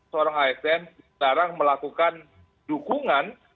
seorang asn sekarang melakukan dukungan